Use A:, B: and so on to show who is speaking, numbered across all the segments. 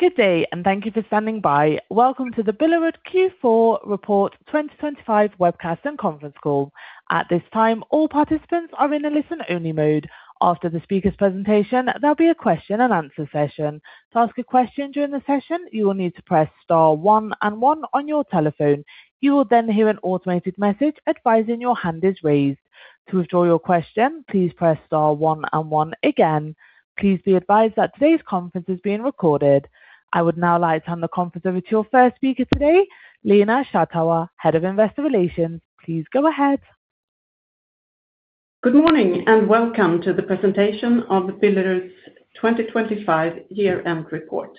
A: Good day, and thank you for standing by. Welcome to the Billerud Q4 2025 Report Webcast and Conference Call. At this time, all participants are in a listen-only mode. After the speaker's presentation, there'll be a question-and-answer session. To ask a question during the session, you will need to press star one and one on your telephone. You will then hear an automated message advising your hand is raised. To withdraw your question, please press star one and one again. Please be advised that today's conference is being recorded. I would now like to hand the conference over to your first speaker today, Lena Schattauer, Head of Investor Relations. Please go ahead.
B: Good morning, and welcome to the presentation of Billerud's 2025 Year-End Report.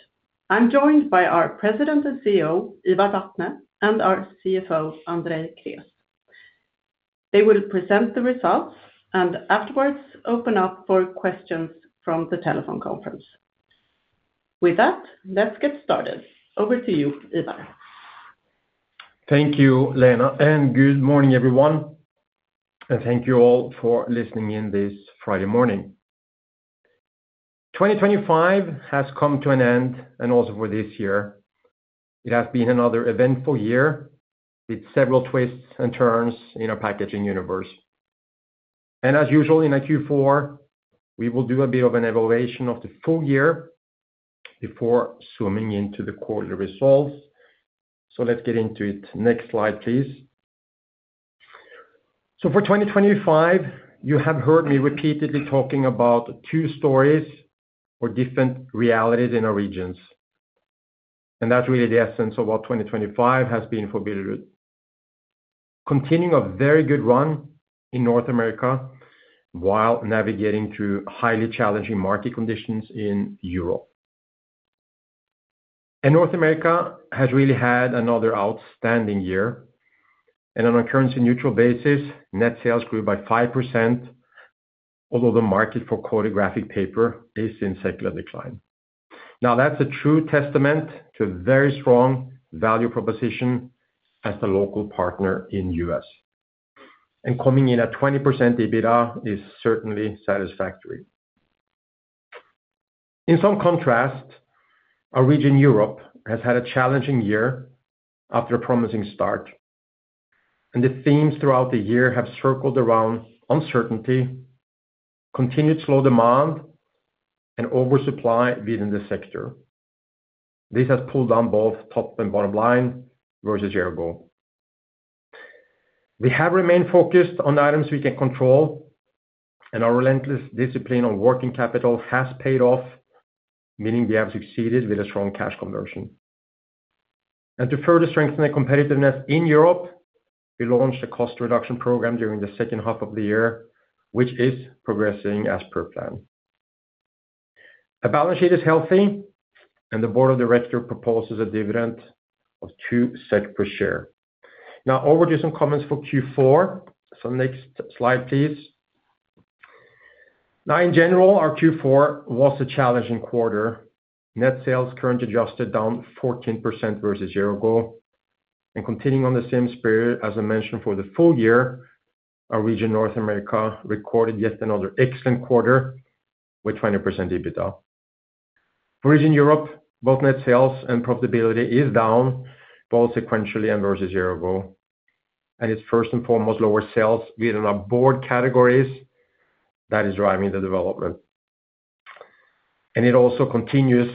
B: I'm joined by our President and CEO, Ivar Vatne, and our CFO, Andrei Krés. They will present the results and afterwards open up for questions from the telephone conference. With that, let's get started. Over to you, Ivar.
C: Thank you, Lena, and good morning, everyone, and thank you all for listening in this Friday morning. 2025 has come to an end, and also for this year. It has been another eventful year, with several twists and turns in our packaging universe. As usual, in our Q4, we will do a bit of an evaluation of the full year before zooming into the quarterly results. Let's get into it. Next slide, please. For 2025, you have heard me repeatedly talking about two stories or different realities in our regions, and that's really the essence of what 2025 has been for Billerud. Continuing a very good run in North America while navigating through highly challenging market conditions in Europe. North America has really had another outstanding year, and on a currency-neutral basis, net sales grew by 5%, although the market for coated graphic paper is in secular decline. Now, that's a true testament to a very strong value proposition as the local partner in U.S. Coming in at 20%, EBITDA is certainly satisfactory. In some contrast, our region, Europe, has had a challenging year after a promising start, and the themes throughout the year have circled around uncertainty, continued slow demand, and oversupply within the sector. This has pulled down both top and bottom line versus year ago. We have remained focused on items we can control, and our relentless discipline on working capital has paid off, meaning we have succeeded with a strong cash conversion. To further strengthen the competitiveness in Europe, we launched a cost reduction program during the second half of the year, which is progressing as per plan. Our balance sheet is healthy, and the board of directors proposes a dividend of 2 per share. Now over to some comments for Q4. So next slide, please. Now, in general, our Q4 was a challenging quarter. Net sales currency adjusted down 14% versus year ago. Continuing on the same spirit, as I mentioned, for the full year, our region, North America, recorded yet another excellent quarter with 20% EBITDA. For region Europe, both net sales and profitability is down, both sequentially and versus year ago, and it's first and foremost, lower sales within our board categories that is driving the development. And it also continues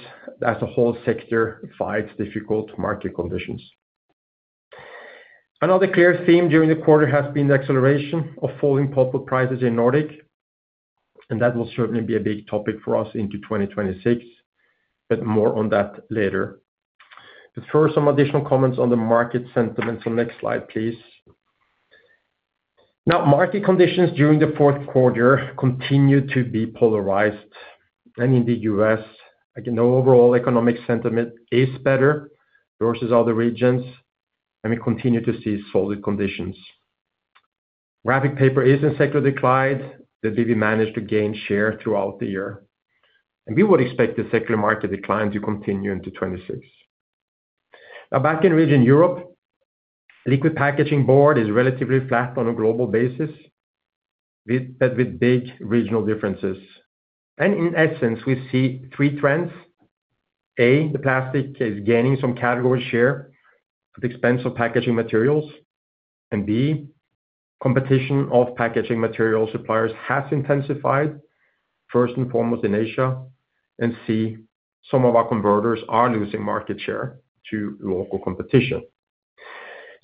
C: as the whole sector fights difficult market conditions. Another clear theme during the quarter has been the acceleration of falling pulp prices in Nordic, and that will certainly be a big topic for us into 2026, but more on that later. But first, some additional comments on the market sentiment. So next slide, please. Now, market conditions during the fourth quarter continued to be polarized. And in the U.S., again, the overall economic sentiment is better versus other regions, and we continue to see solid conditions. Graphic paper is in secular decline, but we managed to gain share throughout the year, and we would expect the secular market decline to continue into 2026. Now, back in region Europe, liquid packaging board is relatively flat on a global basis, with big regional differences. In essence, we see three trends: A, the plastic is gaining some category share at the expense of packaging materials, and B, competition of packaging material suppliers has intensified, first and foremost in Asia, and C, some of our converters are losing market share to local competition.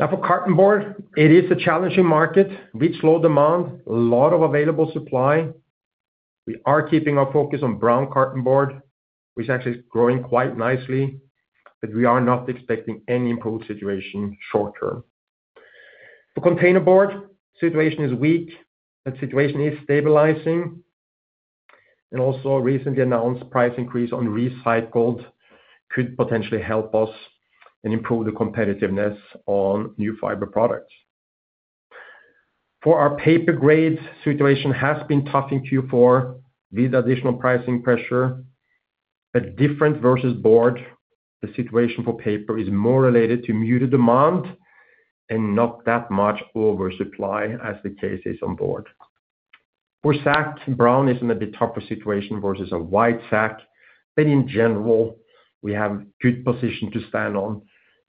C: Now for cartonboard, it is a challenging market with slow demand, a lot of available supply. We are keeping our focus on brown cartonboard, which is actually growing quite nicely, but we are not expecting any improved situation short term. For containerboard, situation is weak, but situation is stabilizing. And also, a recently announced price increase on recycled could potentially help us and improve the competitiveness on new fiber products. For our paper grades, situation has been tough in Q4 with additional pricing pressure, but different versus board, the situation for paper is more related to muted demand and not that much oversupply, as the case is on board. For sack, brown is in a bit tougher situation versus a white sack, but in general, we have good position to stand on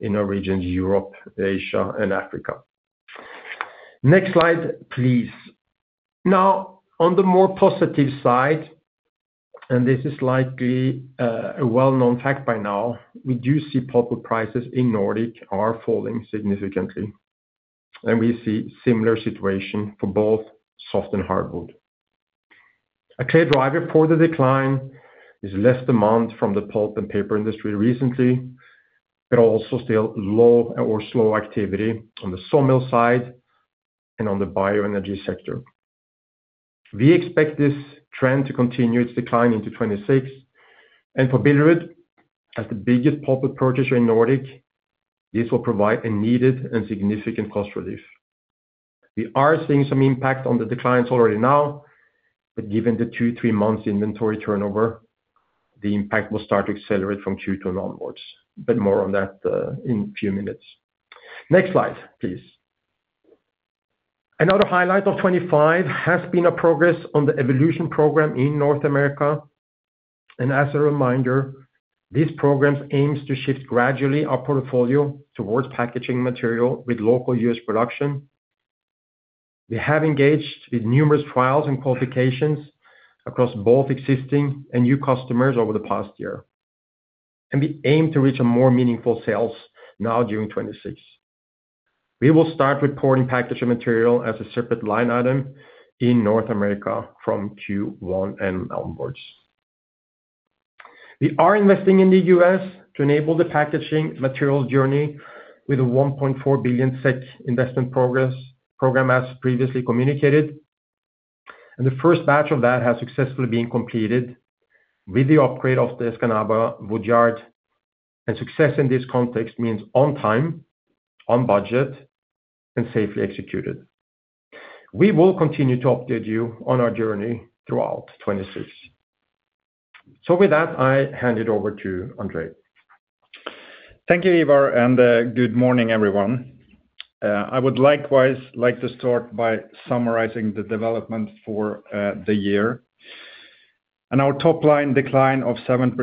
C: in our region, Europe, Asia, and Africa. Next slide, please. Now, on the more positive side, and this is likely a well-known fact by now, we do see pulpwood prices in Nordic are falling significantly, and we see similar situation for both softwood and hardwood. A clear driver for the decline is less demand from the pulp and paper industry recently, but also still low or slow activity on the sawmill side and on the bioenergy sector. We expect this trend to continue its decline into 2026, and for Billerud, as the biggest pulpwood purchaser in Nordic, this will provide a needed and significant cost relief. We are seeing some impact on the declines already now, but given the two-three months inventory turnover, the impact will start to accelerate from Q2 and onwards, but more on that in a few minutes. Next slide, please. Another highlight of 2025 has been a progress on the evolution program in North America. And as a reminder, these programs aims to shift gradually our portfolio towards packaging material with local U.S. production. We have engaged with numerous trials and qualifications across both existing and new customers over the past year, and we aim to reach a more meaningful sales now during 2026. We will start reporting packaging material as a separate line item in North America from Q1 and onwards. We are investing in the U.S. to enable the packaging material journey with a 1.4 billion SEK investment program, as previously communicated. And the first batch of that has successfully been completed with the upgrade of the Escanaba Wood Yard, and success in this context means on time, on budget, and safely executed. We will continue to update you on our journey throughout 2026. So with that, I hand it over to Andrei.
D: Thank you, Ivar, and, good morning, everyone. I would likewise like to start by summarizing the development for the year. Our top line decline of 7%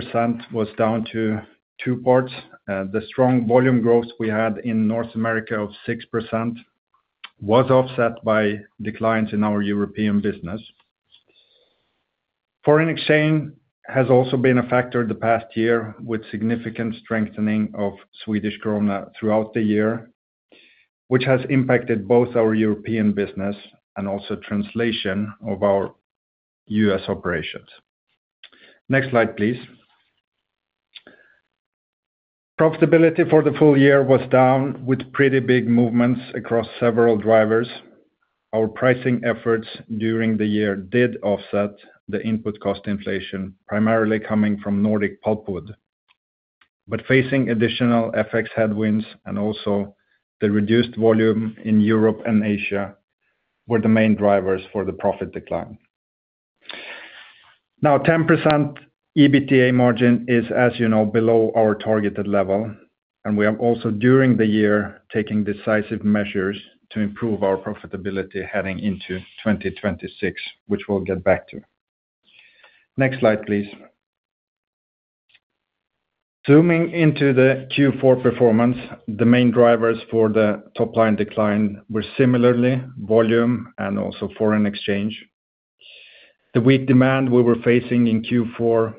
D: was down to two parts. The strong volume growth we had in North America of 6% was offset by declines in our European business. Foreign exchange has also been a factor the past year, with significant strengthening of Swedish krona throughout the year, which has impacted both our European business and also translation of our U.S. operations. Next slide, please. Profitability for the full year was down with pretty big movements across several drivers. Our pricing efforts during the year did offset the input cost inflation, primarily coming from Nordic pulpwood. But facing additional FX headwinds and also the reduced volume in Europe and Asia, were the main drivers for the profit decline. Now, 10% EBITDA margin is, as you know, below our targeted level, and we are also, during the year, taking decisive measures to improve our profitability heading into 2026, which we'll get back to. Next slide, please. Zooming into the Q4 performance, the main drivers for the top line decline were similarly volume and also foreign exchange. The weak demand we were facing in Q4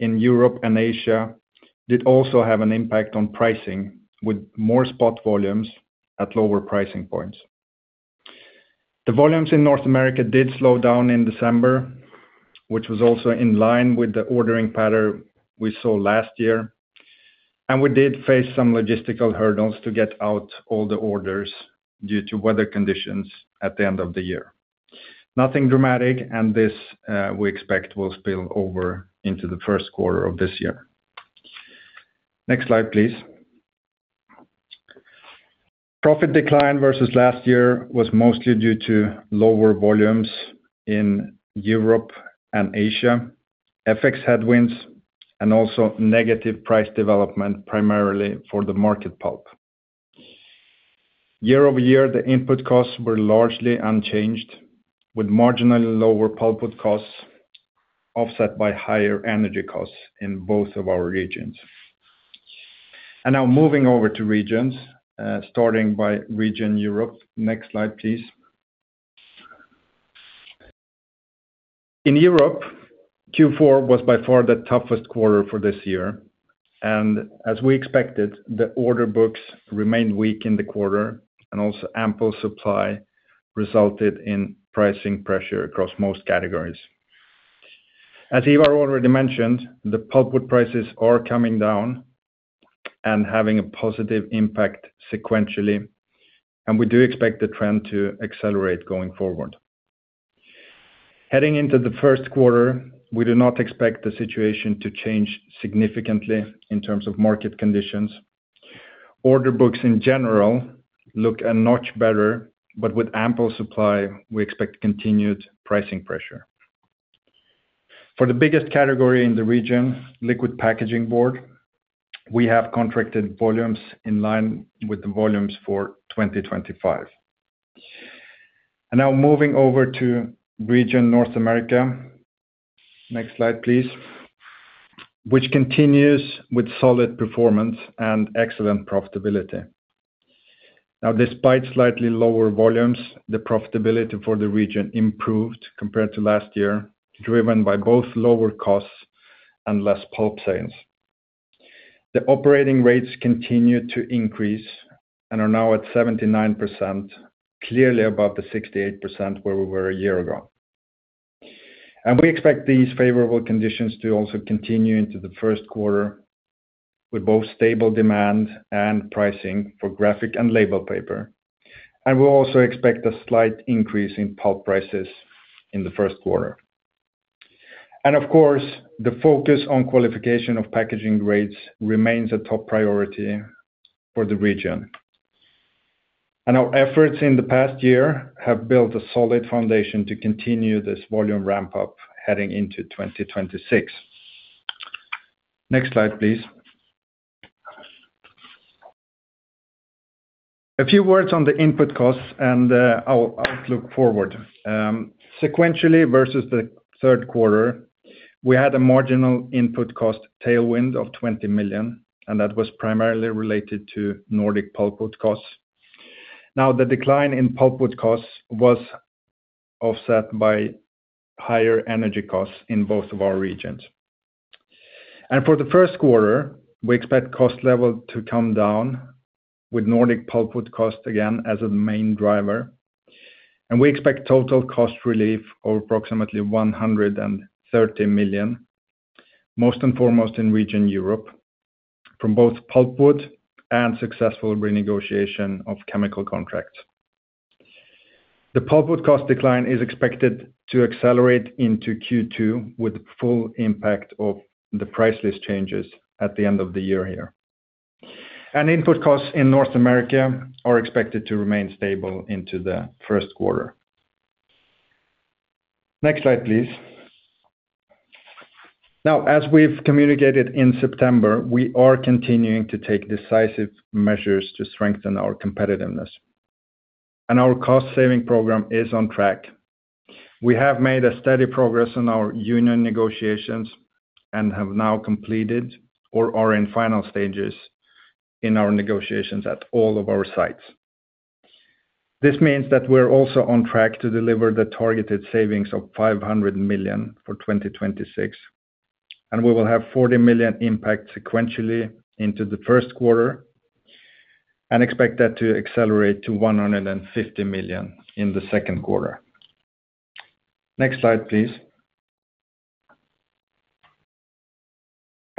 D: in Europe and Asia did also have an impact on pricing, with more spot volumes at lower pricing points. The volumes in North America did slow down in December, which was also in line with the ordering pattern we saw last year, and we did face some logistical hurdles to get out all the orders due to weather conditions at the end of the year. Nothing dramatic, and this, we expect, will spill over into the first quarter of this year. Next slide, please. Profit decline versus last year was mostly due to lower volumes in Europe and Asia, FX headwinds, and also negative price development, primarily for the market pulp. Year-over-year, the input costs were largely unchanged, with marginally lower pulpwood costs, offset by higher energy costs in both of our regions. Now moving over to regions, starting by region Europe. Next slide, please. In Europe, Q4 was by far the toughest quarter for this year, and as we expected, the order books remained weak in the quarter, and also ample supply resulted in pricing pressure across most categories. As Ivar already mentioned, the pulpwood prices are coming down and having a positive impact sequentially, and we do expect the trend to accelerate going forward. Heading into the first quarter, we do not expect the situation to change significantly in terms of market conditions. Order books in general look a notch better, but with ample supply, we expect continued pricing pressure. For the biggest category in the region, liquid packaging board, we have contracted volumes in line with the volumes for 2025. Now moving over to region North America. Next slide, please. Which continues with solid performance and excellent profitability. Now, despite slightly lower volumes, the profitability for the region improved compared to last year, driven by both lower costs and less pulp sales. The operating rates continued to increase and are now at 79%, clearly above the 68% where we were a year ago. We expect these favorable conditions to also continue into the first quarter, with both stable demand and pricing for graphic and label paper, and we also expect a slight increase in pulp prices in the first quarter. Of course, the focus on qualification of packaging grades remains a top priority for the region. Our efforts in the past year have built a solid foundation to continue this volume ramp-up, heading into 2026. Next slide, please. A few words on the input costs, and I'll look forward. Sequentially versus the third quarter, we had a marginal input cost tailwind of 20 million, and that was primarily related to Nordic pulpwood costs. Now, the decline in pulpwood costs was offset by higher energy costs in both of our regions. For the first quarter, we expect cost level to come down, with Nordic pulpwood cost again as a main driver. We expect total cost relief of approximately 130 million, most and foremost in region Europe, from both pulpwood and successful renegotiation of chemical contracts. The pulpwood cost decline is expected to accelerate into Q2, with the full impact of the price list changes at the end of the year here. Input costs in North America are expected to remain stable into the first quarter. Next slide, please. Now, as we've communicated in September, we are continuing to take decisive measures to strengthen our competitiveness, and our cost-saving program is on track. We have made a steady progress on our union negotiations and have now completed, or are in final stages, in our negotiations at all of our sites. This means that we're also on track to deliver the targeted savings of 500 million for 2026, and we will have 40 million impact sequentially into the first quarter, and expect that to accelerate to 150 million in the second quarter. Next slide, please.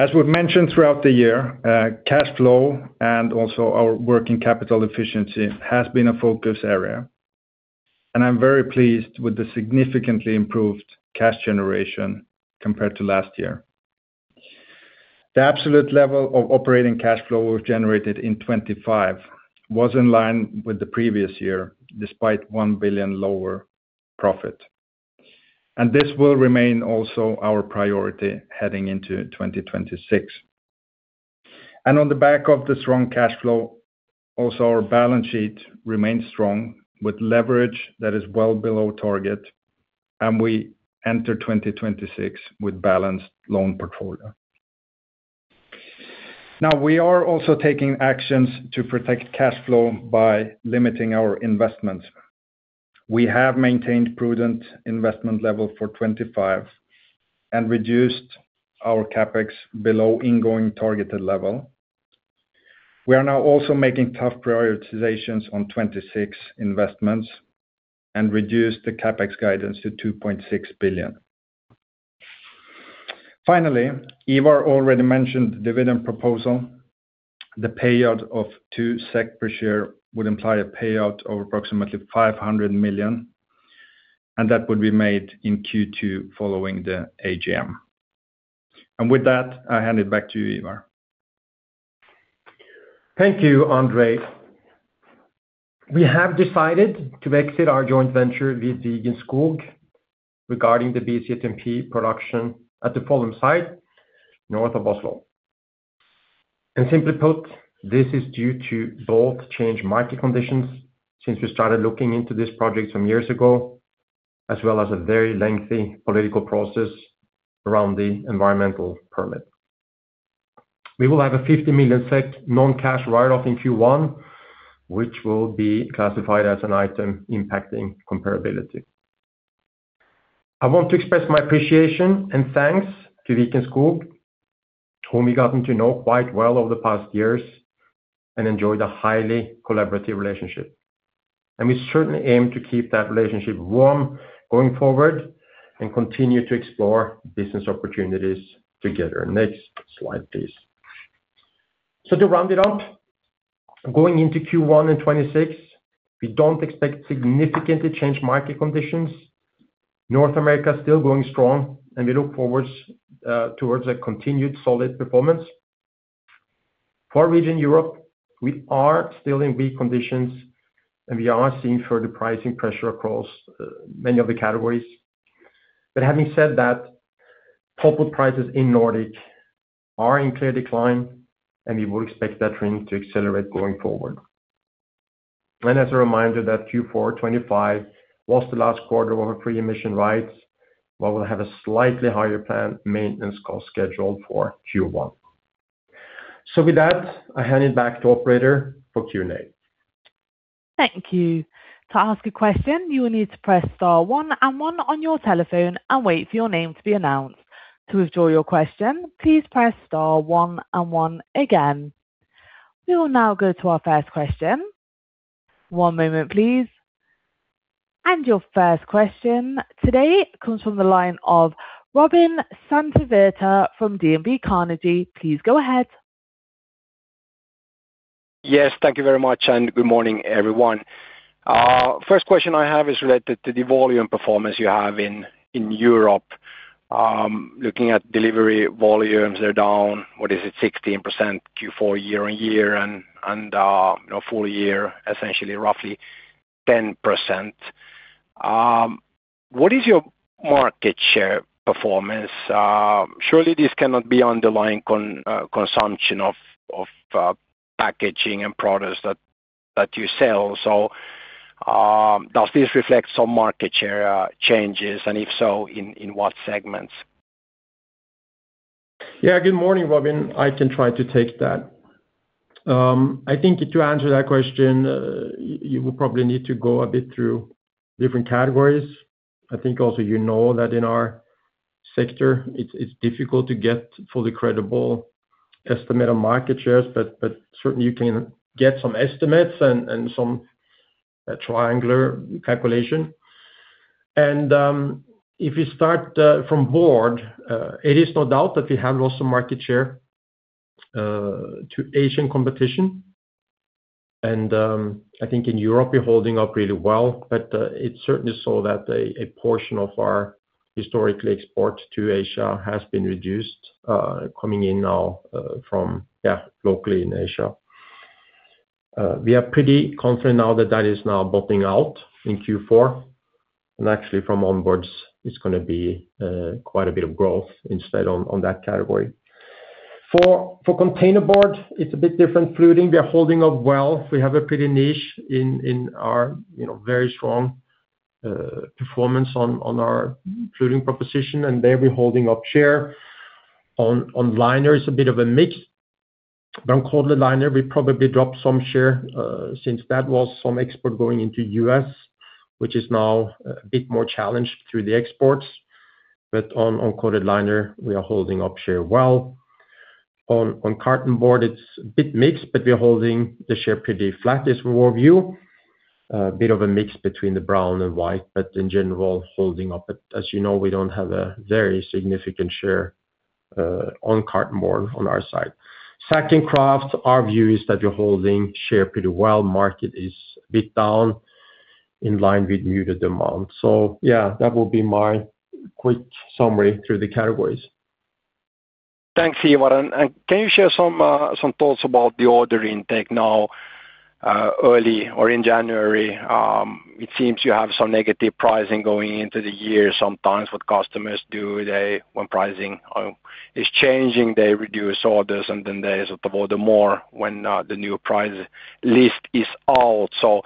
D: As we've mentioned throughout the year, cash flow and also our working capital efficiency has been a focus area, and I'm very pleased with the significantly improved cash generation compared to last year. The absolute level of operating cash flow we've generated in 2025 was in line with the previous year, despite 1 billion lower profit. This will remain also our priority heading into 2026. On the back of the strong cash flow, also our balance sheet remains strong, with leverage that is well below target, and we enter 2026 with balanced loan portfolio. Now, we are also taking actions to protect cash flow by limiting our investments. We have maintained prudent investment level for 2025 and reduced our CapEx below ingoing targeted level. We are now also making tough prioritizations on 2026 investments and reduce the CapEx guidance to 2.6 billion. Finally, Ivar already mentioned dividend proposal. The payout of 2 SEK per share would imply a payout of approximately 500 million, and that would be made in Q2 following the AGM. With that, I hand it back to you, Ivar.
C: Thank you, Andrei. We have decided to exit our joint venture with Viken Skog regarding the BCTMP production at the Follum site, north of Oslo. Simply put, this is due to both changed market conditions since we started looking into this project some years ago, as well as a very lengthy political process around the environmental permit. We will have a 50 million SEK non-cash write-off in Q1, which will be classified as an item impacting comparability. I want to express my appreciation and thanks to Viken Skog, whom we've gotten to know quite well over the past years and enjoyed a highly collaborative relationship. We certainly aim to keep that relationship warm going forward and continue to explore business opportunities together. Next slide, please. To round it up, going into Q1 in 2026, we don't expect significantly changed market conditions. North America is still going strong, and we look forward towards a continued solid performance. For region Europe, we are still in weak conditions, and we are seeing further pricing pressure across many of the categories. But having said that, pulpwood prices in Nordic are in clear decline, and we will expect that trend to accelerate going forward. And as a reminder, that Q4 2025 was the last quarter of our free emission rights, but we'll have a slightly higher planned maintenance cost schedule for Q1. So with that, I hand it back to operator for Q&A.
A: Thank you. To ask a question, you will need to press star one and one on your telephone and wait for your name to be announced. To withdraw your question, please press star one and one again. We will now go to our first question. One moment, please. And your first question today comes from the line of Robin Santavirta from DNB Carnegie. Please go ahead.
E: Yes, thank you very much, and good morning, everyone. First question I have is related to the volume performance you have in Europe. Looking at delivery volumes, they're down, what is it? 16% Q4 year-on-year and, you know, full year, essentially, roughly 10%. What is your market share performance? Surely this cannot be underlying consumption of packaging and products that you sell. So, does this reflect some market share changes, and if so, in what segments?
C: Yeah, good morning, Robin. I can try to take that. I think to answer that question, you will probably need to go a bit through different categories. I think also you know that in our sector, it's difficult to get fully credible estimate on market shares, but certainly you can get some estimates and some triangular calculation. If you start from board, it is no doubt that we have lost some market share to Asian competition, and I think in Europe, we're holding up really well. It's certainly so that a portion of our historically export to Asia has been reduced, coming in now from, yeah, locally in Asia. We are pretty confident now that that is now bottoming out in Q4, and actually from onwards, it's gonna be quite a bit of growth instead on that category. For containerboard, it's a bit different. Fluting, we are holding up well. We have a pretty niche in our, you know, very strong performance on our fluting proposition, and there we're holding up share. On liner is a bit of a mix. But on coated liner, we probably dropped some share since that was some export going into U.S., which is now a bit more challenged through the exports. But on uncoated liner, we are holding up share well. On cartonboard, it's a bit mixed, but we're holding the share pretty flat as we overview. A bit of a mix between the brown and white, but in general, holding up. But as you know, we don't have a very significant share on carton board on our side. Sack and kraft, our view is that we're holding share pretty well. Market is a bit down, in line with muted demand. So yeah, that will be my quick summary through the categories.
E: Thanks, Ivar. And can you share some thoughts about the order intake now, early or in January? It seems you have some negative pricing going into the year. Sometimes what customers do they, when pricing is changing, they reduce orders, and then they sort of order more when the new price list is out. So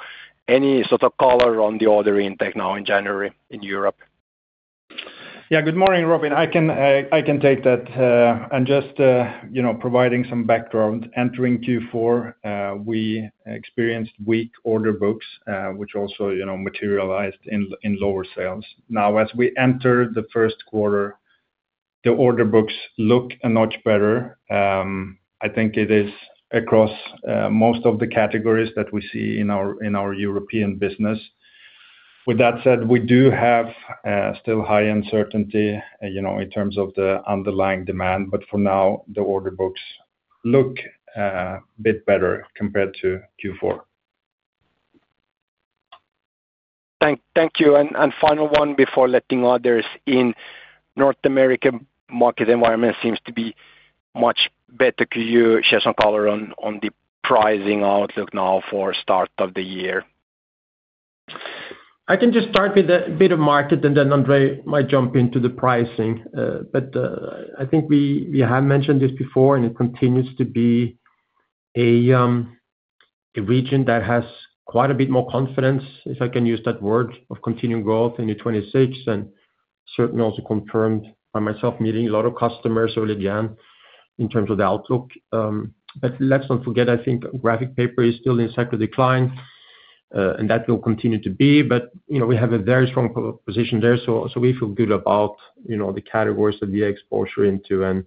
E: any sort of color on the order intake now in January, in Europe?
C: Yeah. Good morning, Robin. I can take that. And just, you know, providing some background, entering Q4, we experienced weak order books, which also, you know, materialized in lower sales. Now, as we enter the first quarter, the order books look a much better. I think it is across most of the categories that we see in our European business. With that said, we do have still high uncertainty, you know, in terms of the underlying demand, but for now, the order books look a bit better compared to Q4.
E: Thank you. And final one before letting others in. North America market environment seems to be much better. Could you share some color on the pricing outlook now for start of the year?
C: I can just start with a bit of market, and then Andrei might jump into the pricing. But I think we have mentioned this before, and it continues to be a region that has quite a bit more confidence, if I can use that word, of continuing growth in 2026, and certainly also confirmed by myself, meeting a lot of customers early again in terms of the outlook. But let's not forget, I think graphic paper is still in cycle decline, and that will continue to be, but you know, we have a very strong position there. So we feel good about, you know, the categories that we exposure into and,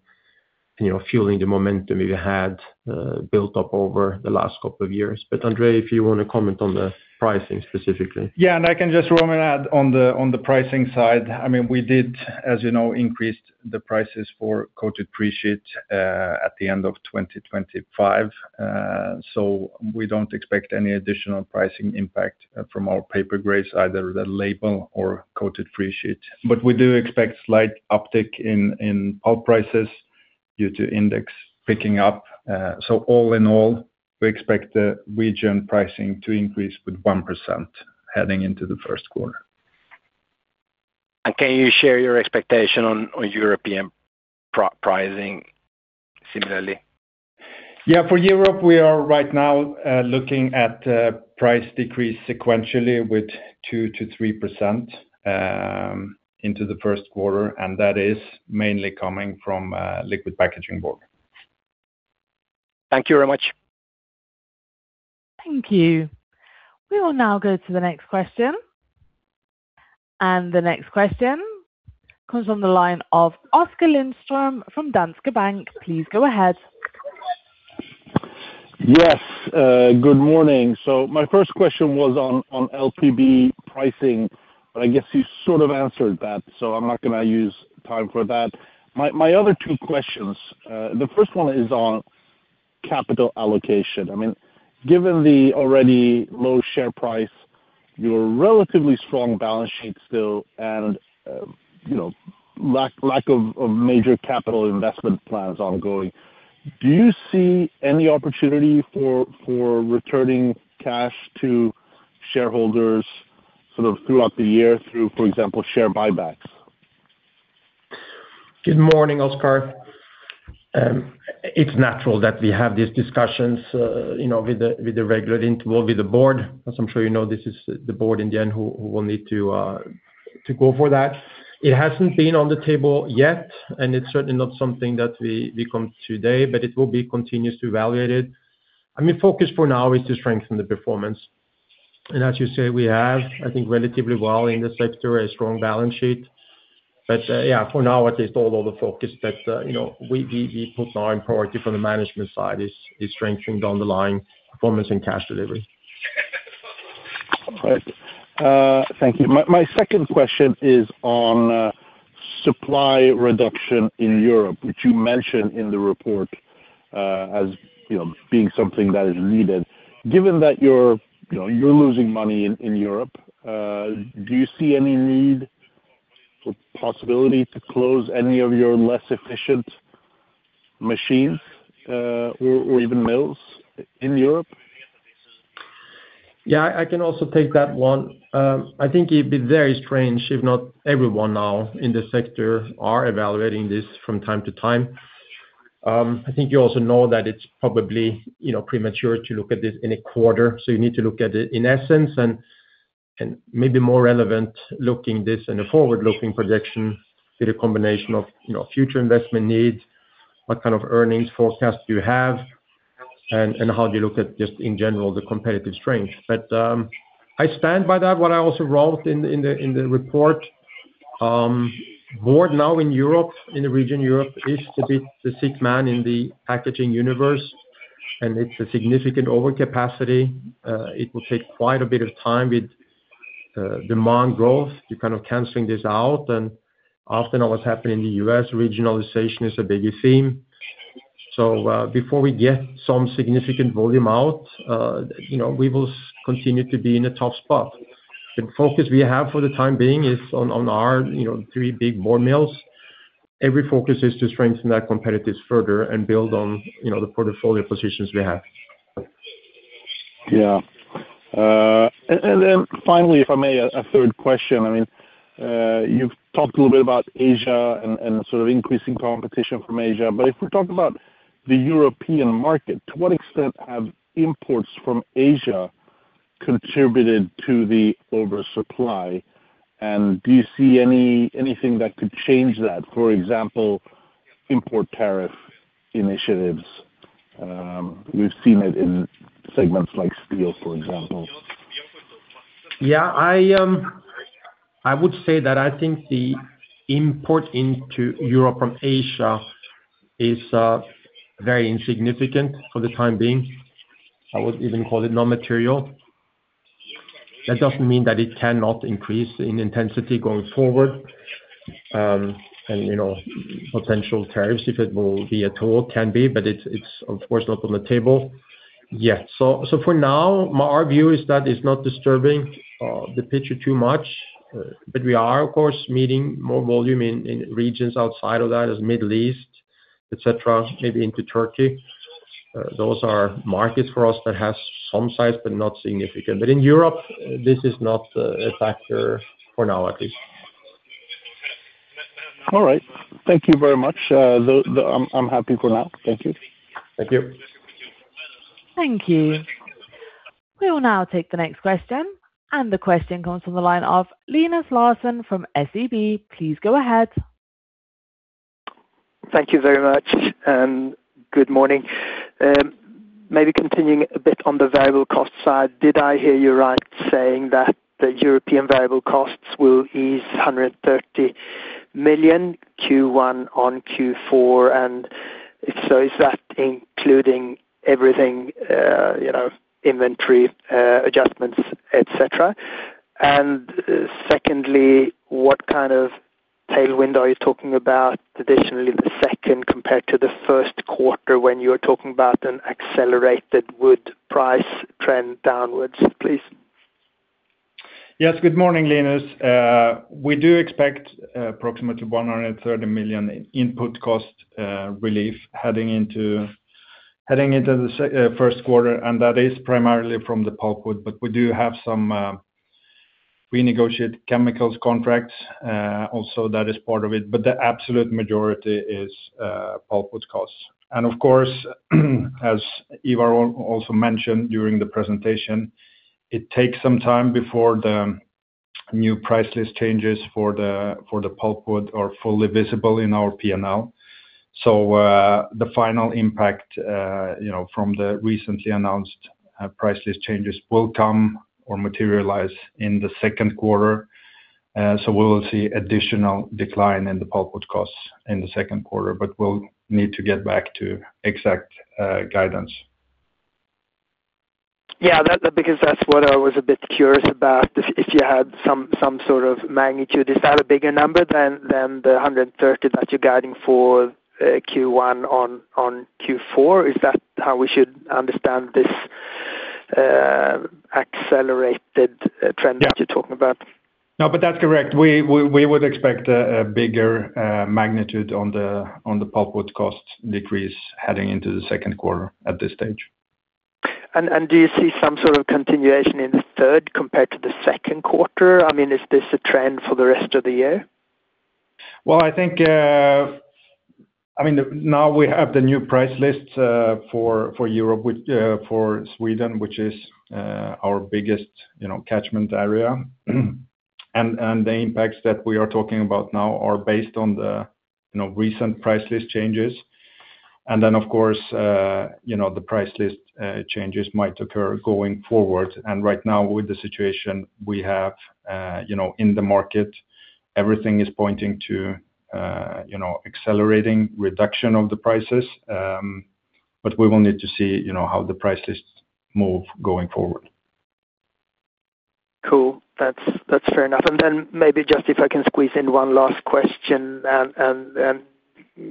C: you know, fueling the momentum we had built up over the last couple of years. But Andrei, if you want to comment on the pricing specifically.
D: Yeah, and I can just rather add on the pricing side. I mean, we did, as you know, increase the prices for coated free sheet at the end of 2025. So we don't expect any additional pricing impact from our paper grades, either the label or coated free sheet. But we do expect slight uptick in all prices due to index picking up. So all in all, we expect the region pricing to increase with 1% heading into the first quarter.
E: Can you share your expectation on European paper pricing similarly?
D: Yeah, for Europe, we are right now looking at price decrease sequentially with 2%-3% into the first quarter, and that is mainly coming from liquid packaging board.
E: Thank you very much.
A: Thank you. We will now go to the next question. The next question comes on the line of Oskar Lindström from Danske Bank. Please go ahead.
F: Yes, good morning. So my first question was on LPB pricing, but I guess you sort of answered that, so I'm not gonna use time for that. My other two questions, the first one is on capital allocation. I mean, given the already low share price, your relatively strong balance sheet still, and you know, lack of major capital investment plans ongoing, do you see any opportunity for returning cash to shareholders sort of throughout the year through, for example, share buybacks?
C: Good morning, Oskar. It's natural that we have these discussions, you know, with the, with the regular interval with the board. As I'm sure you know, this is the board in the end who, who will need to, to go for that. It hasn't been on the table yet, and it's certainly not something that we, we come today, but it will be continuously evaluated. I mean, focus for now is to strengthen the performance. And as you say, we have, I think, relatively well in this sector, a strong balance sheet. But, yeah, for now at least, all of the focus that, you know, we, we, we put our priority from the management side is, is strengthening down the line performance and cash delivery.
F: All right. Thank you. My second question is on supply reduction in Europe, which you mentioned in the report, as you know, being something that is needed. Given that you're, you know, you're losing money in Europe, do you see any need for possibility to close any of your less efficient machines, or even mills in Europe?
C: Yeah, I can also take that one. I think it'd be very strange if not everyone now in the sector are evaluating this from time to time. I think you also know that it's probably, you know, premature to look at this in a quarter, so you need to look at it in essence and, and maybe more relevant looking this in a forward-looking projection with a combination of, you know, future investment needs, what kind of earnings forecast you have, and, and how do you look at just in general, the competitive strength. But, I stand by that, what I also wrote in the, in the, in the report. Board now in Europe, in the region Europe, is to be the sick man in the packaging universe, and it's a significant overcapacity. It will take quite a bit of time with demand growth to kind of canceling this out. And often what's happening in the U.S., regionalization is a bigger theme. So, before we get some significant volume out, you know, we will continue to be in a tough spot. The focus we have for the time being is on, on our, you know, three big board mills. Every focus is to strengthen that competitive further and build on, you know, the portfolio positions we have.
F: Yeah. And then finally, if I may, a third question. I mean, you've talked a little bit about Asia and sort of increasing competition from Asia. But if we talk about the European market, to what extent have imports from Asia contributed to the oversupply? And do you see anything that could change that, for example, import tariff initiatives? We've seen it in segments like steel, for example.
C: Yeah, I, I would say that I think the import into Europe from Asia is very insignificant for the time being. I would even call it non-material. That doesn't mean that it cannot increase in intensity going forward, and, you know, potential tariffs, if it will be at all, can be, but it's, it's of course, not on the table. Yeah. So, so for now, our view is that it's not disturbing the picture too much, but we are, of course, meeting more volume in regions outside of that, as Middle East, et cetera, maybe into Turkey. Those are markets for us that have some size, but not significant. But in Europe, this is not a factor for now, at least.
F: All right. Thank you very much. Though, I'm happy for now. Thank you.
C: Thank you.
A: Thank you. We will now take the next question, and the question comes from the line of Linus Larsson from SEB. Please go ahead.
G: Thank you very much, and good morning. Maybe continuing a bit on the variable cost side, did I hear you right saying that the European variable costs will ease 130 million Q1 on Q4, and if so, is that including everything, you know, inventory, adjustments, et cetera? And secondly, what kind of tailwind are you talking about additionally, the second compared to the first quarter when you're talking about an accelerated wood price trend downwards, please?...
D: Yes, good morning, Linus. We do expect approximately 130 million in input cost relief heading into the first quarter, and that is primarily from the pulpwood. But we do have some renegotiated chemicals contracts also that is part of it, but the absolute majority is pulpwood costs. And of course, as Ivar also mentioned during the presentation, it takes some time before the new price list changes for the pulpwood are fully visible in our P&L. So, the final impact, you know, from the recently announced price list changes will come or materialize in the second quarter. So we will see additional decline in the pulpwood costs in the second quarter, but we'll need to get back to exact guidance.
G: Yeah, that, because that's what I was a bit curious about, if you had some sort of magnitude. Is that a bigger number than the 130 that you're guiding for Q1 on Q4? Is that how we should understand this accelerated-
D: Yeah
G: Trend that you're talking about?
D: No, but that's correct. We would expect a bigger magnitude on the pulpwood cost decrease heading into the second quarter at this stage.
G: Do you see some sort of continuation in the third compared to the second quarter? I mean, is this a trend for the rest of the year?
D: Well, I think, I mean, now we have the new price list for Europe, which for Sweden, which is our biggest, you know, catchment area. And the impacts that we are talking about now are based on the, you know, recent price list changes. And then, of course, the price list changes might occur going forward. And right now, with the situation we have, you know, in the market, everything is pointing to, you know, accelerating reduction of the prices. But we will need to see, you know, how the prices move going forward.
G: Cool. That's fair enough. And then maybe just if I can squeeze in one last question,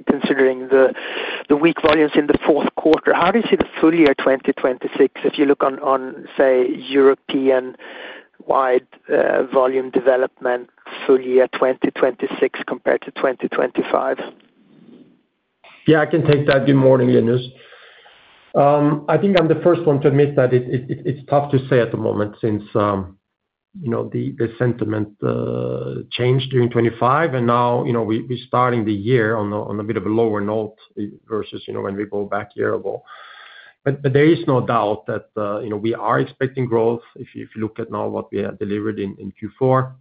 G: considering the weak volumes in the fourth quarter, how do you see the full year 2026, if you look on, say, European-wide volume development, full year 2026 compared to 2025?
C: Yeah, I can take that. Good morning, Linus. I think I'm the first one to admit that it's tough to say at the moment, since you know, the sentiment changed during 2025, and now, you know, we're starting the year on a bit of a lower note versus, you know, when we go back a year ago. But there is no doubt that you know, we are expecting growth, if you look at now what we have delivered in Q4,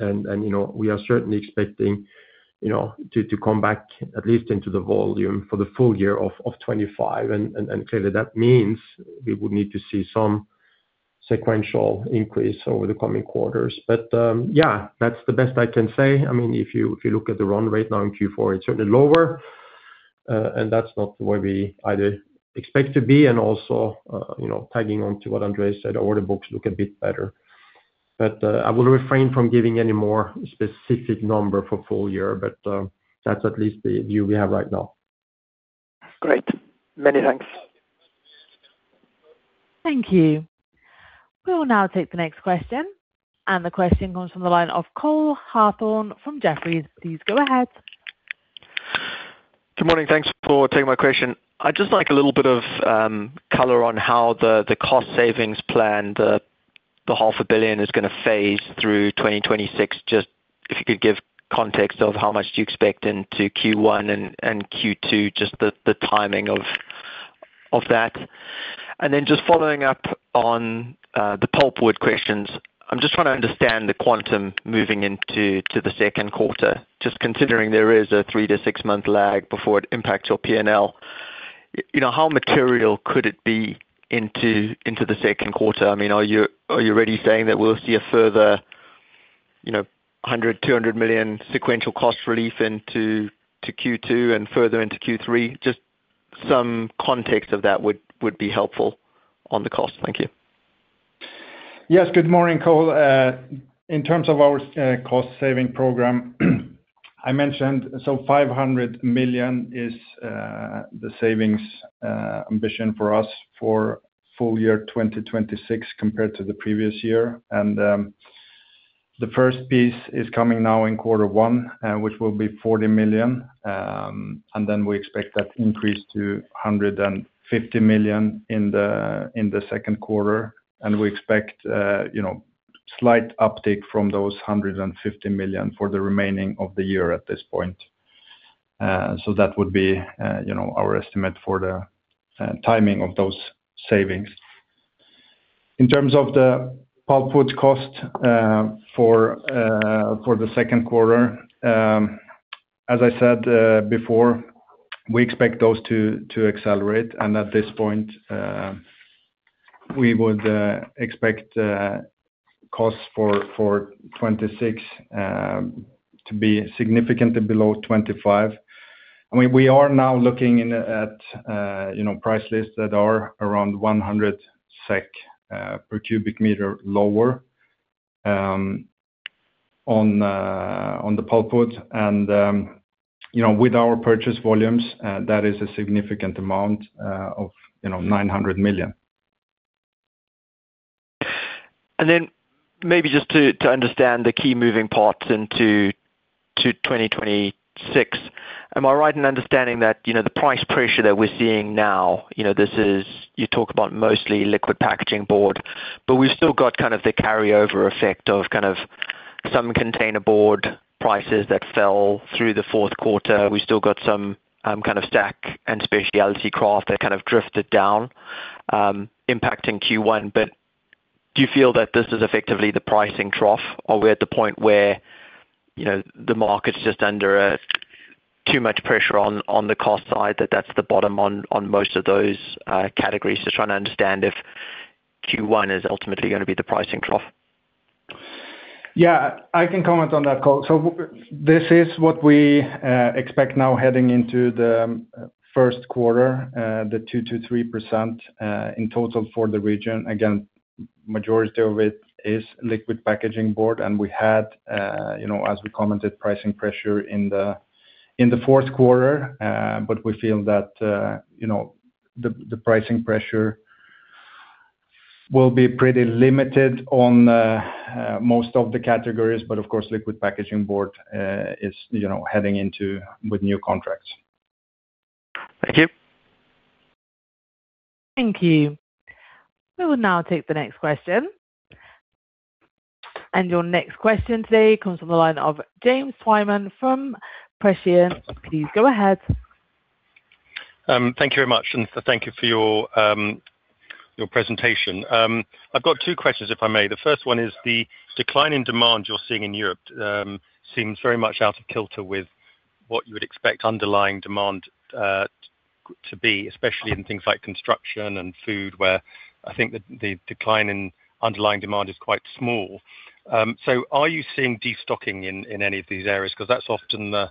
C: and you know, we are certainly expecting you know, to come back at least into the volume for the full year of 2025. And clearly, that means we would need to see some sequential increase over the coming quarters. Yeah, that's the best I can say. I mean, if you look at the run rate now in Q4, it's certainly lower, and that's not the way we either expect to be and also, you know, tagging on to what Andrei said, order books look a bit better. But, I will refrain from giving any more specific number for full year, but, that's at least the view we have right now.
G: Great. Many thanks.
A: Thank you. We will now take the next question, and the question comes from the line of Cole Hathorn from Jefferies. Please go ahead.
H: Good morning. Thanks for taking my question. I'd just like a little bit of color on how the cost savings plan, the half a billion is gonna phase through 2026. Just if you could give context of how much do you expect into Q1 and Q2, just the timing of that. And then just following up on the pulpwood questions, I'm just trying to understand the quantum moving into the second quarter, just considering there is a three to six month lag before it impacts your P&L. You know, how material could it be into the second quarter? I mean, are you already saying that we'll see a further, you know, 100 million-200 million sequential cost relief into Q2 and further into Q3? Just some context of that would be helpful on the cost. Thank you.
D: Yes, good morning, Cole. In terms of our cost saving program, I mentioned, so 500 million is the savings ambition for us for full year 2026 compared to the previous year. And the first piece is coming now in quarter one, which will be 40 million, and then we expect that to increase to 150 million in the second quarter. And we expect, you know, slight uptick from those 150 million for the remaining of the year at this point. So that would be, you know, our estimate for the timing of those savings. In terms of the pulpwood cost, for the second quarter, as I said before, we expect those to accelerate, and at this point, we would expect costs for 2026 to be significantly below 2025. I mean, we are now looking at, you know, price lists that are around 100 SEK per cubic meter lower.... on the pulpwood. You know, with our purchase volumes, that is a significant amount of, you know, 900 million.
H: And then maybe just to understand the key moving parts into 2026. Am I right in understanding that, you know, the price pressure that we're seeing now, you know, this is - you talk about mostly liquid packaging board, but we've still got kind of the carryover effect of kind of some containerboard prices that fell through the fourth quarter. We still got some kind of sack and specialty kraft that kind of drifted down, impacting Q1. But do you feel that this is effectively the pricing trough, or we're at the point where, you know, the market's just under too much pressure on the cost side, that that's the bottom on most of those categories? Just trying to understand if Q1 is ultimately gonna be the pricing trough.
C: Yeah, I can comment on that, Cole. So this is what we expect now heading into the first quarter, the 2%-3% in total for the region. Again, majority of it is liquid packaging board, and we had, you know, as we commented, pricing pressure in the fourth quarter. But we feel that, you know, the pricing pressure will be pretty limited on most of the categories. But of course, liquid packaging board is, you know, heading into with new contracts.
H: Thank you.
A: Thank you. We will now take the next question. Your next question today comes from the line of James Twyman from Prescient. Please go ahead.
I: Thank you very much, and thank you for your, your presentation. I've got two questions, if I may. The first one is: the decline in demand you're seeing in Europe seems very much out of kilter with what you would expect underlying demand to be, especially in things like construction and food, where I think the decline in underlying demand is quite small. So are you seeing destocking in any of these areas? Because that's often the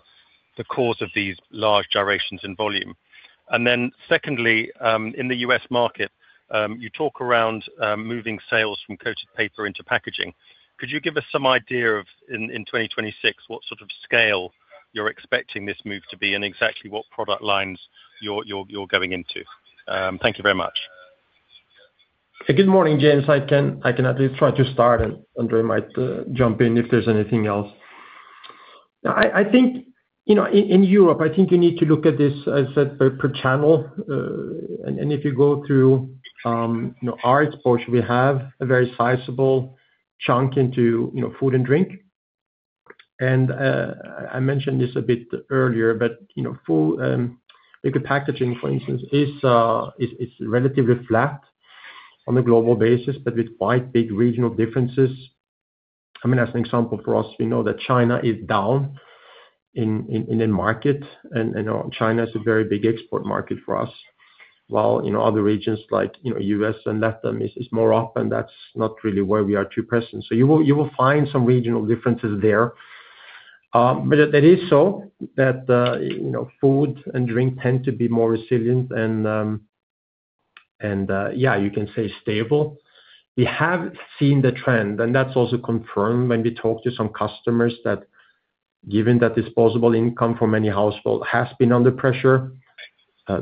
I: cause of these large gyrations in volume. And then secondly, in the U.S. market, you talk around moving sales from coated paper into packaging. Could you give us some idea of in 2026 what sort of scale you're expecting this move to be and exactly what product lines you're going into? Thank you very much.
C: Good morning, James. I can at least try to start, and Andrei might jump in if there's anything else. I think, you know, in Europe, I think you need to look at this, as I said, per channel. And if you go through, you know, our exposure, we have a very sizable chunk into, you know, food and drink. And I mentioned this a bit earlier, but, you know, food, liquid packaging, for instance, is relatively flat on a global basis, but with quite big regional differences. I mean, as an example, for us, we know that China is down in end market, and China is a very big export market for us. While, you know, other regions like, you know, U.S. and LATAM is more up, and that's not really where we are too present. So you will find some regional differences there. But it is so that, you know, food and drink tend to be more resilient and, yeah, you can say stable. We have seen the trend, and that's also confirmed when we talk to some customers, that given that disposable income from any household has been under pressure,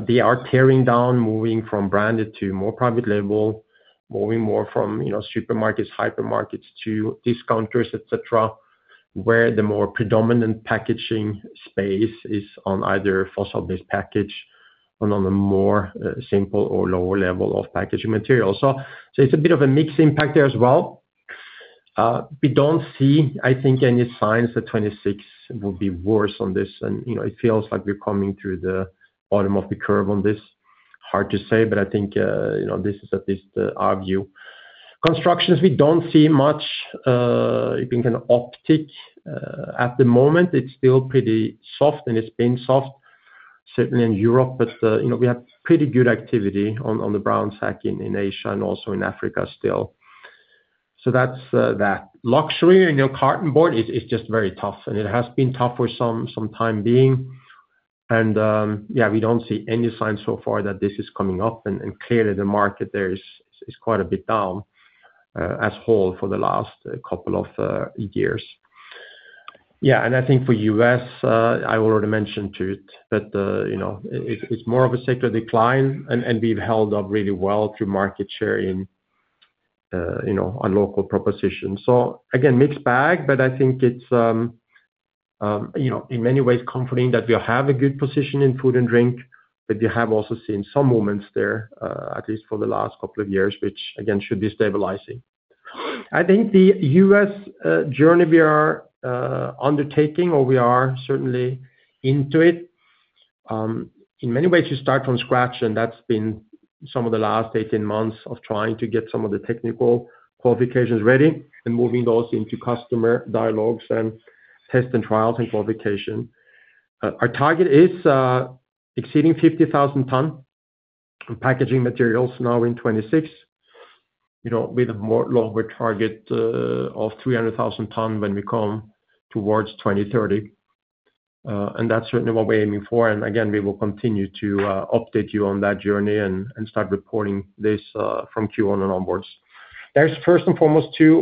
C: they are tearing down, moving from branded to more private label, moving more from, you know, supermarkets, hypermarkets to discounters, et cetera, where the more predominant packaging space is on either fossil-based package or on a more simple or lower level of packaging material. So it's a bit of a mixed impact there as well. We don't see, I think, any signs that 2026 will be worse on this, and, you know, it feels like we're coming through the bottom of the curve on this. Hard to say, but I think, you know, this is at least our view. Construction, we don't see much you can kind of uptick at the moment. It's still pretty soft, and it's been soft, certainly in Europe. But, you know, we have pretty good activity on the brown sack in Asia and also in Africa still. So that's that. Luxury and your cartonboard is just very tough, and it has been tough for some time being. Yeah, we don't see any signs so far that this is coming up, and clearly the market there is quite a bit down as a whole for the last couple of years. Yeah, and I think for U.S., I already mentioned too, that you know, it's more of a secular decline, and we've held up really well through market share in you know, a local proposition. So again, mixed bag, but I think it's you know, in many ways comforting that we have a good position in food and drink, but we have also seen some moments there, at least for the last couple of years, which again, should be stabilizing. I think the U.S. journey we are undertaking, or we are certainly into it, in many ways you start from scratch, and that's been some of the last 18 months of trying to get some of the technical qualifications ready and moving those into customer dialogues and test and trials and qualification. Our target is exceeding 50,000 ton in packaging materials now in 2026, you know, with a more longer target of 300,000 ton when we come towards 2030.... and that's certainly what we're aiming for. And again, we will continue to update you on that journey and start reporting this from Q1 and onwards. There's first and foremost, two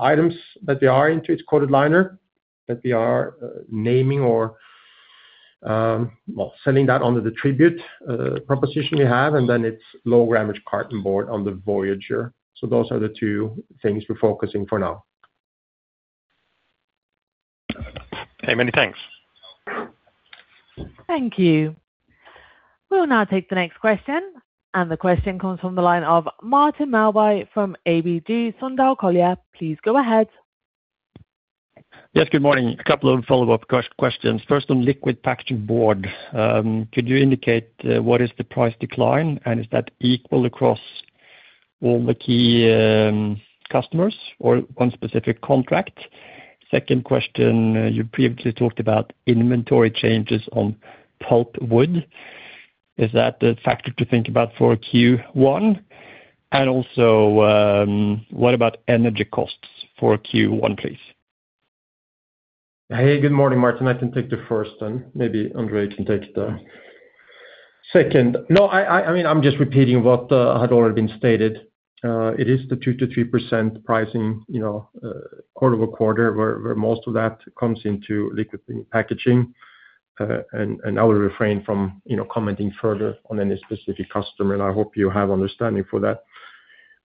C: items that we are into. It's coated liner that we are naming or, well, sending that under the Tribute proposition we have, and then it's low-grammage cartonboard on the Voyager. So those are the two things we're focusing for now.
I: Hey, many thanks.
A: Thank you. We'll now take the next question, and the question comes from the line of Martin Melbye from ABG Sundal Collier. Please go ahead.
J: Yes, good morning. A couple of follow-up questions. First, on liquid packaging board, could you indicate what is the price decline? And is that equal across all the key customers or one specific contract? Second question, you previously talked about inventory changes on pulpwood. Is that a factor to think about for Q1? And also, what about energy costs for Q1, please?
C: Hey, good morning, Martin. I can take the first one, maybe Andrei can take the second. No, I mean, I'm just repeating what had already been stated. It is the 2%-3% pricing, you know, quarter-over-quarter, where most of that comes into liquid packaging. And I will refrain from, you know, commenting further on any specific customer, and I hope you have understanding for that.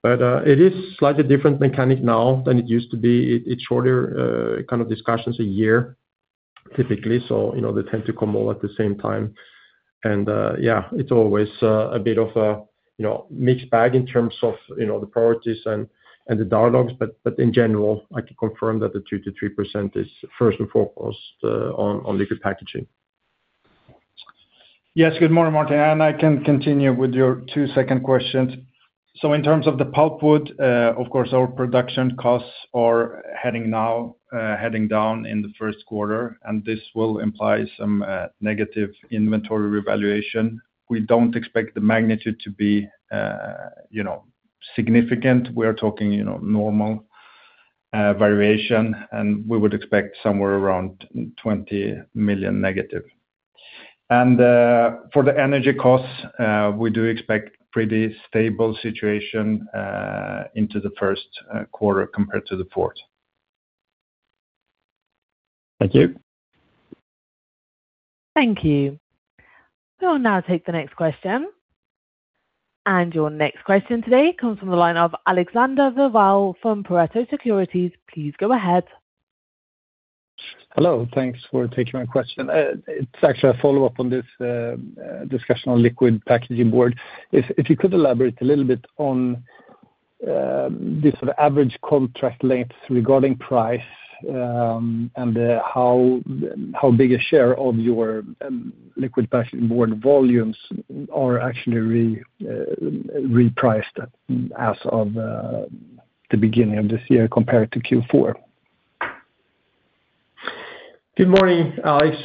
C: But it is slightly different mechanic now than it used to be. It shorter kind of discussions a year, typically. So, you know, they tend to come all at the same time. And yeah, it's always a bit of a, you know, mixed bag in terms of, you know, the priorities and the dialogues. In general, I can confirm that the 2%-3% is first and foremost on liquid packaging.
D: Yes, good morning, Martin, and I can continue with your two second questions. So in terms of the pulpwood, of course, our production costs are heading now, heading down in the first quarter, and this will imply some negative inventory revaluation. We don't expect the magnitude to be, you know, significant. We are talking, you know, normal variation, and we would expect somewhere around 20 million negative. And, for the energy costs, we do expect pretty stable situation into the first quarter compared to the fourth.
J: Thank you.
A: Thank you. We'll now take the next question. And your next question today comes from the line of Alexander Vilval from Pareto Securities. Please go ahead.
K: Hello, thanks for taking my question. It's actually a follow-up on this discussion on liquid packaging board. If you could elaborate a little bit on the sort of average contract lengths regarding price, and how big a share of your liquid packaging board volumes are actually repriced as of the beginning of this year compared to Q4?
C: Good morning, Alex.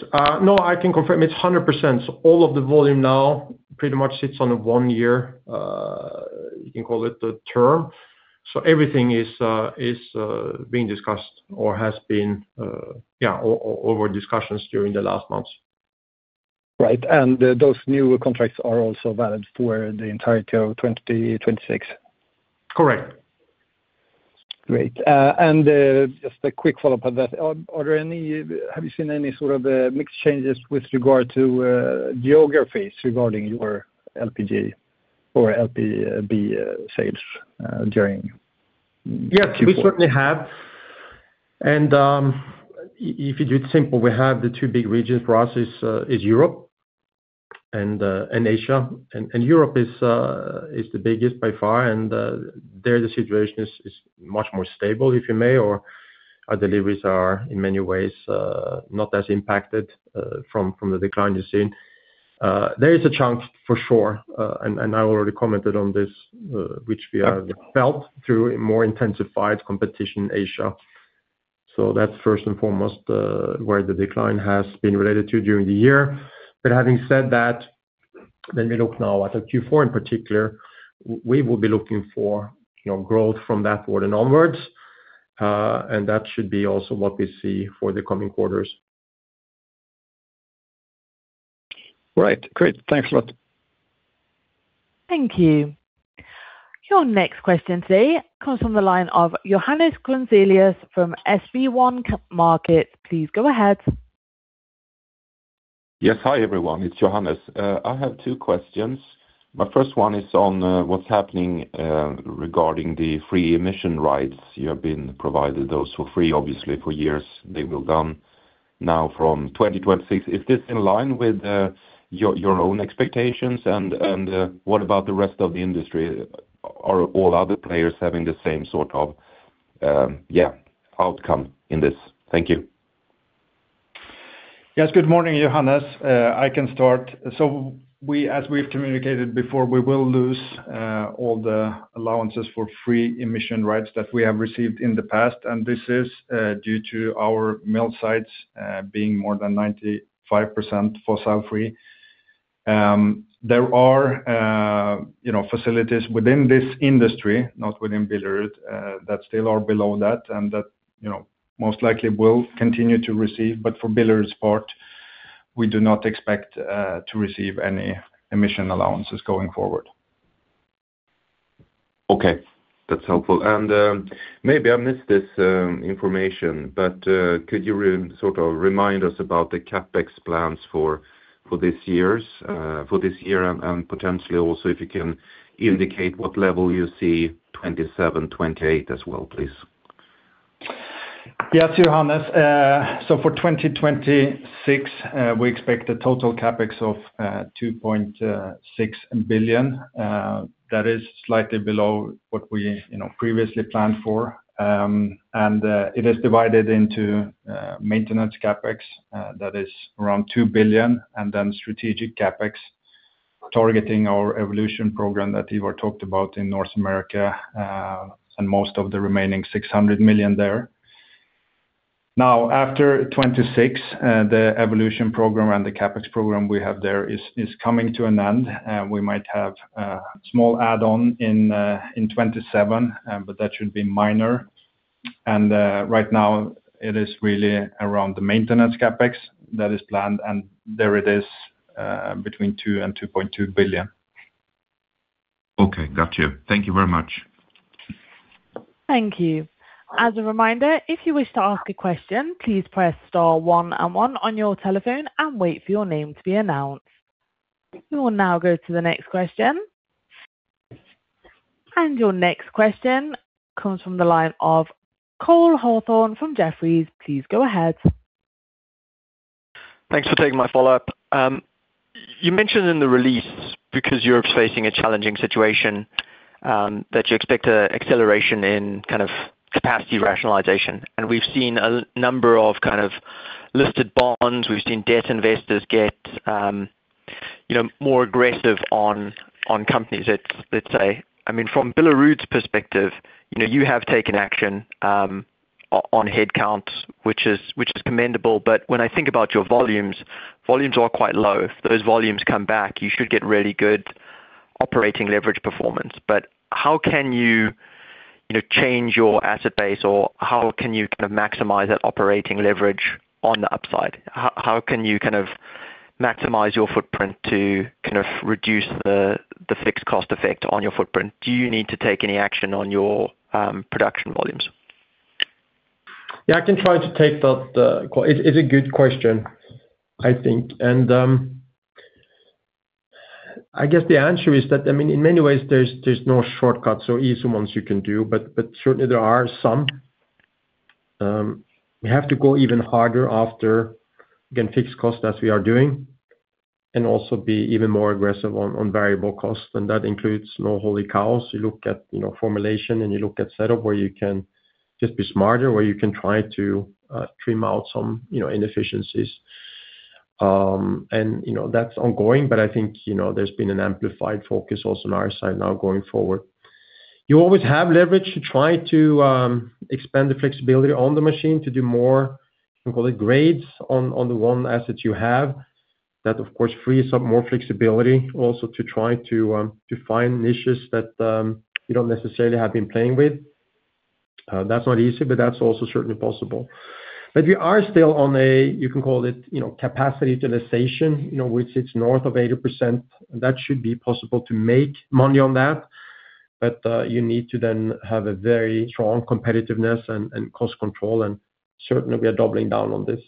C: No, I can confirm it's 100%. All of the volume now pretty much sits on a one-year term. So everything is being discussed or has been over discussions during the last months.
K: Right. And those new contracts are also valid for the entirety of 2026?
C: Correct.
K: Great. And just a quick follow-up on that. Are there any, have you seen any sort of mix changes with regard to geographies regarding your LPB or LPB sales during Q4?
C: Yes, we certainly have. And if you do it simple, we have the two big regions for us is Europe and Asia. And Europe is the biggest by far, and there, the situation is much more stable, if you may, or our deliveries are, in many ways, not as impacted from the decline you're seeing. There is a chance for sure, and I already commented on this, which we are felt through a more intensified competition in Asia. So that's first and foremost where the decline has been related to during the year. But having said that, when we look now at the Q4 in particular, we will be looking for, you know, growth from that point onwards. That should be also what we see for the coming quarters.
K: Right. Great. Thanks a lot.
A: Thank you. Your next question today comes from the line of Johannes Grunselius from SB1 Markets. Please go ahead.
L: Yes. Hi, everyone, it's Johannes. I have two questions. My first one is on what's happening regarding the free emission rights. You have been provided those for free, obviously, for years. They will gone now from 2026. Is this in line with your own expectations? And what about the rest of the industry? Are all other players having the same sort of yeah, outcome in this? Thank you.
C: Yes, good morning, Johannes. I can start. So as we've communicated before, we will lose all the allowances for free emission rights that we have received in the past, and this is due to our mill sites being more than 95% fossil free. There are, you know, facilities within this industry, not within Billerud, that still are below that, and that, you know, most likely will continue to receive, but for Billerud's part, we do not expect to receive any emission allowances going forward.
L: Okay, that's helpful. Maybe I missed this information, but could you sort of remind us about the CapEx plans for this year? And potentially also, if you can indicate what level you see, 2027, 2028 as well, please.
D: Yes, Johannes. So for 2026, we expect a total CapEx of 2.6 billion. That is slightly below what we, you know, previously planned for. And it is divided into maintenance CapEx, that is around 2 billion, and then strategic CapEx, targeting our evolution program that Ivar talked about in North America, and most of the remaining 600 million there. Now, after 2026, the evolution program and the CapEx program we have there is coming to an end, and we might have small add-on in 2027, but that should be minor. And right now it is really around the maintenance CapEx that is planned, and there it is between 2 billion and 2.2 billion.
L: Okay, got you. Thank you very much.
A: Thank you. As a reminder, if you wish to ask a question, please press star one and one on your telephone and wait for your name to be announced. We will now go to the next question. Your next question comes from the line of Cole Hathorn from Jefferies. Please go ahead.
H: Thanks for taking my follow-up. You mentioned in the release, because Europe's facing a challenging situation, that you expect an acceleration in kind of capacity rationalization, and we've seen a number of kind of listed bonds. We've seen debt investors get, you know, more aggressive on companies, let's say. I mean, from Billerud's perspective, you know, you have taken action on headcounts, which is commendable, but when I think about your volumes, volumes are quite low. If those volumes come back, you should get really good operating leverage performance. But how can you, you know, change your asset base, or how can you kind of maximize that operating leverage on the upside? How can you kind of maximize your footprint to kind of reduce the fixed cost effect on your footprint? Do you need to take any action on your production volumes?
C: Yeah, I can try to take that. It's a good question, I think. And I guess the answer is that, I mean, in many ways, there's no shortcuts or easy ones you can do, but certainly there are some. We have to go even harder after again, fixed costs, as we are doing, and also be even more aggressive on variable costs, and that includes no holy cows. You look at, you know, formulation, and you look at setup, where you can just be smarter, where you can try to trim out some, you know, inefficiencies. And, you know, that's ongoing, but I think, you know, there's been an amplified focus also on our side now going forward. You always have leverage to try to expand the flexibility on the machine to do more, we call it grades, on the one asset you have. That, of course, frees up more flexibility, also to try to to find niches that you don't necessarily have been playing with. That's not easy, but that's also certainly possible. But we are still on a, you can call it, you know, capacity utilization, you know, which sits north of 80%. That should be possible to make money on that, but you need to then have a very strong competitiveness and cost control, and certainly we are doubling down on this.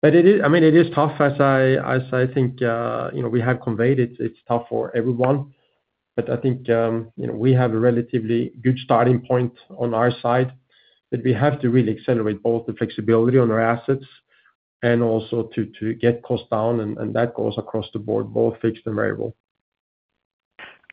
C: But it is—I mean, it is tough, as I think, you know, we have conveyed it, it's tough for everyone. But I think, you know, we have a relatively good starting point on our side, but we have to really accelerate both the flexibility on our assets and also to get costs down, and that goes across the board, both fixed and variable.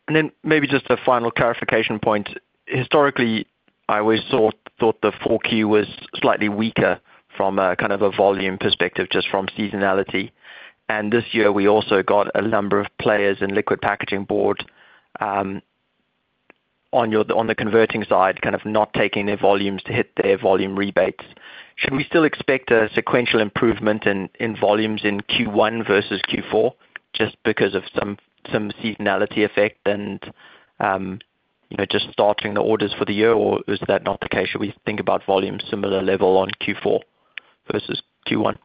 H: And then maybe just a final clarification point. Historically, I always thought the Q4 was slightly weaker from a kind of a volume perspective, just from seasonality. And this year, we also got a number of players in liquid packaging board on the converting side, kind of not taking their volumes to hit their volume rebates. Should we still expect a sequential improvement in volumes in Q1 versus Q4, just because of some seasonality effect and, you know, just starting the orders for the year, or is that not the case? Should we think about volume similar level on Q4 versus Q1?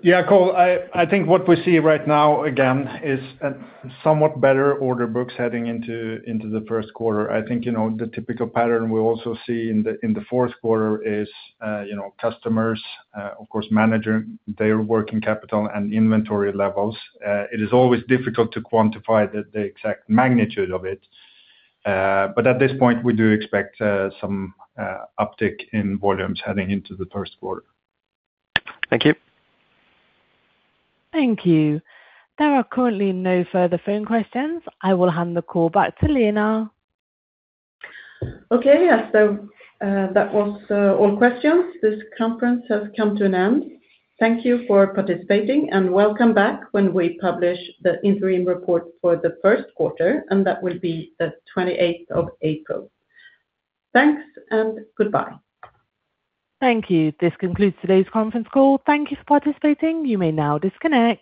C: Yeah, Cole, I think what we see right now, again, is a somewhat better order books heading into the first quarter. I think, you know, the typical pattern we also see in the fourth quarter is, you know, customers, of course, managing their working capital and inventory levels. It is always difficult to quantify the exact magnitude of it, but at this point, we do expect some uptick in volumes heading into the first quarter.
H: Thank you.
A: Thank you. There are currently no further phone questions. I will hand the call back to Lena.
B: Okay, yeah, so that was all questions. This conference has come to an end. Thank you for participating, and welcome back when we publish the interim report for the first quarter, and that will be the twenty-eighth of April. Thanks and goodbye.
A: Thank you. This concludes today's conference call. Thank you for participating. You may now disconnect.